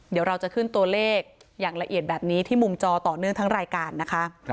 เดี๋ยวเราจะขึ้นตัวเลขอย่างละเอียดแบบนี้ที่มุมจอต่อเนื่องทั้งรายการนะคะ